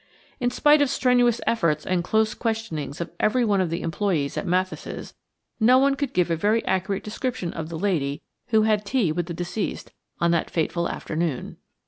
In spite of strenuous efforts and close questionings of every one of the employees at Mathis', no one could give a very accurate description of the lady who had tea with the deceased on that fateful afternoon.